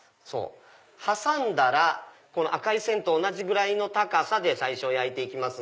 挟んだら赤い線と同じぐらいの高さで最初焼いて行きます。